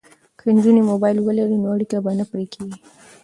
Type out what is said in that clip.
که نجونې موبایل ولري نو اړیکه به نه پرې کیږي.